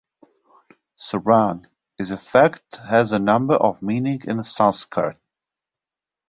"Sarang" in fact has a number of meanings in Sanskrit.